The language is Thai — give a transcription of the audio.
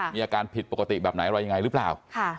มีอาการผิดปกติแบบไหนอะไรยังไงหรือเปล่า